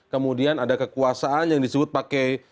kemudian ada kekuasaan yang disebut pakai